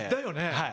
はい。